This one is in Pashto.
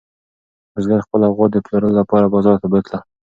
بزګر خپله غوا د پلورلو لپاره بازار ته بوتله.